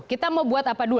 kita mau buat apa dulu